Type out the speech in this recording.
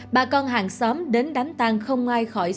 bà con hàng xóm đến đám tăng không ai khỏi sốc